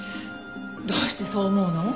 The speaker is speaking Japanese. どうしてそう思うの？